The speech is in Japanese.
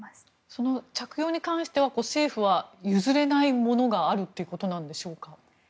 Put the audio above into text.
その着用に関して政府は譲れないものがあるんでしょうか。